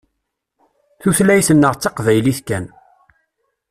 Tutlayt-nneɣ d taqbaylit kan.